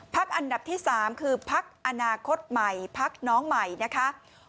อันดับที่๓คือพักอนาคตใหม่พักน้องใหม่นะคะ